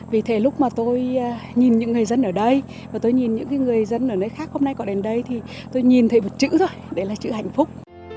vì thế lúc mà tôi nhìn những người dân ở đây và tôi nhìn những người dân ở nơi khác hôm nay có đến đây thì tôi nhìn thấy một chữ thôi đấy là chữ hạnh phúc